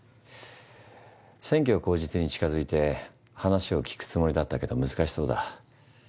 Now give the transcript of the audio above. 選挙を口実に近づいて話を聞くつもりだったけど難しそうだ。